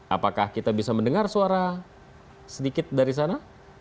apakah kita bisa mendengar suara sedikit dari sana